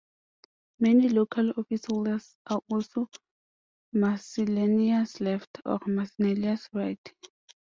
Many local officeholders are also "miscellaneous left" or "miscellaneous right".